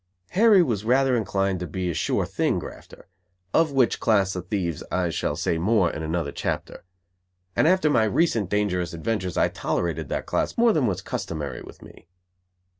Harry was rather inclined to be a sure thing grafter, of which class of thieves I shall say more in another chapter; and after my recent dangerous adventures I tolerated that class more than was customary with me.